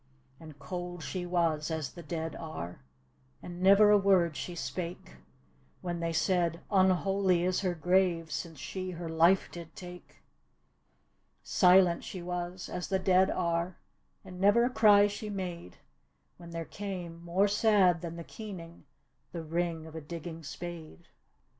And cold she was as the dead are, And never a word she spake, When they said, " Unholy is her grave, Since she facr life did take." Silent ^e was, as the dead are. And never a cry she made When there came, more sad than the keening, The ring of a digging spade.